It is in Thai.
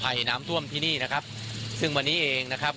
ภัยน้ำท่วมที่นี่นะครับซึ่งวันนี้เองนะครับ